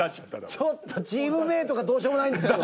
ちょっとチームメートがどうしようもないんですけど。